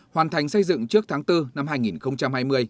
hoàn thành xây dựng trước tháng bốn năm hai nghìn hai mươi